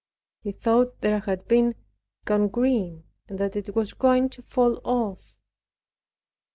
He thought there had been gangrene and that it was going to fall off.